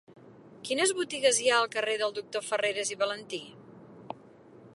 Quines botigues hi ha al carrer del Doctor Farreras i Valentí?